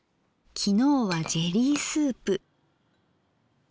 昨日はジェリースープ。